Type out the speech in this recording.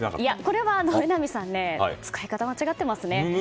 これは榎並さん使い方を間違っていますね。